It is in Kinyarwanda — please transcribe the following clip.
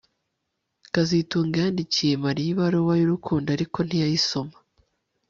kazitunga yandikiye Mariya ibaruwa yurukundo ariko ntiyayisoma